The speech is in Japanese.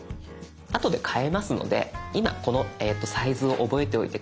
あとで変えますので今このサイズを覚えておいて下さい。